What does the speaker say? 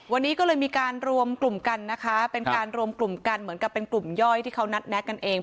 วันนี้ก็เลยมีการรวมกลุ่มกันนะคะเป็นการรวมกลุ่มกันเหมือนกับเป็นกลุ่มย่อยที่เขานัดแนะกันเอง